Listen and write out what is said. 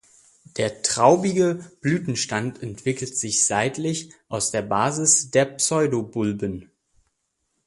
Der traubige Blütenstand entwickelt sich seitlich aus der Basis der Pseudobulben.